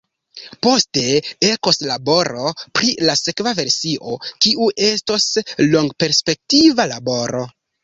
Poste ekos laboro pri la sekva versio, kiu estos longperspektiva laboro.